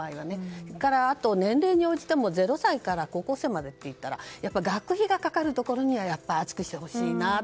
それから年齢に応じてというところも０歳から高校生までといったら学費がかかるところにはやっぱり厚くしてほしいなと。